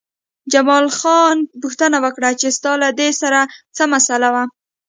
جمال خان پوښتنه وکړه چې ستا له دې سره څه مسئله وه